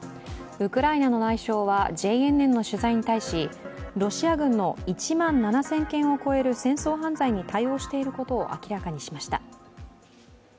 ウクライナの内相はＪＮＮの取材に対し、ロシア軍の１万７０００件を超える戦争犯罪に対応していることを明らかにしました。